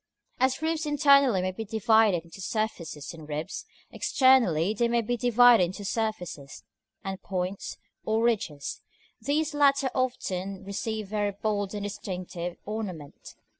§ V. As roofs internally may be divided into surfaces and ribs, externally they may be divided into surfaces, and points, or ridges; these latter often receiving very bold and distinctive ornament.